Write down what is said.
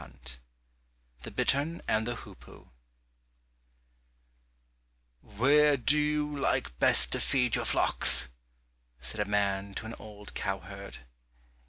173 The Bittern and the Hoopoe "Where do you like best to feed your flocks?" said a man to an old cow herd.